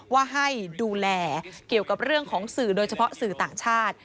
ว่าให้ดูแลเกี่ยวกับเรื่องของสื่อโดยเฉพาะสื่อต่างชาติ